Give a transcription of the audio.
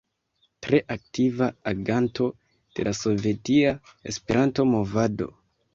Tre aktiva aganto de la Sovetia Esperanto-movado.